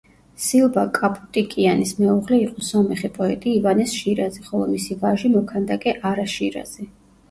სილვა კაპუტიკიანის მეუღლე იყო სომეხი პოეტი ივანეს შირაზი, ხოლო მისი ვაჟი მოქანდაკე არა შირაზი.